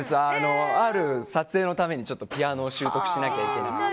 ある撮影のためにピアノを習得しなきゃいけなくて。